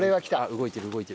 動いている動いてる。